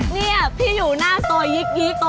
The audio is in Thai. นี่พี่อยู่หน้าซอยยิก